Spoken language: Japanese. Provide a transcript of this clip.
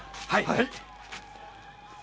はい。